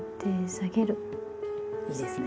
いいですね。